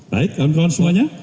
baik kawan kawan semuanya